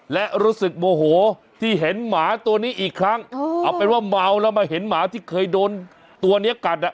และรู้สึกโมโหที่เห็นหมาตัวนี้อีกครั้งเอาเป็นว่าเมาแล้วมาเห็นหมาที่เคยโดนตัวนี้กัดอ่ะ